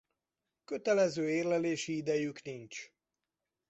Kötelező érlelési idejük nincs.